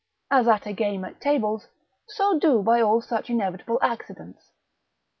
As at a game at tables, so do by all such inevitable accidents.